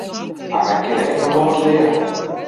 Mar wy kinne ek noch wol wat leare.